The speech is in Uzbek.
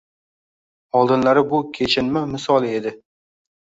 Oldinlari bu kechinma misoli edi.